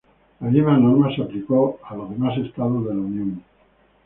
La misma norma se aplicó a los demás Estados de la Unión.